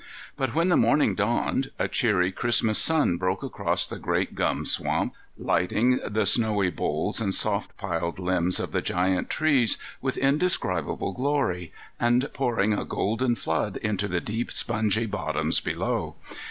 But when the morning dawned, a cheery Christmas sun broke across the great gum swamp, lighting the snowy boles and soft piled limbs of the giant trees with indescribable glory, and pouring, a golden flood, into the deep spongy bottoms below.